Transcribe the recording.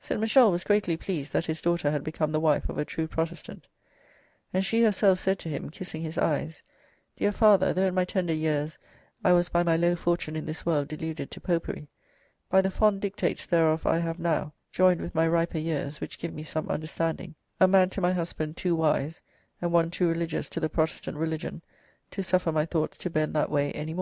St. Michel was greatly pleased that his daughter had become the wife of a true Protestant, and she herself said to him, kissing his eyes: "Dear father, though in my tender years I was by my low fortune in this world deluded to popery, by the fond dictates thereof I have now (joined with my riper years, which give me some understanding) a man to my husband too wise and one too religious to the Protestant religion to suffer my thoughts to bend that way any more."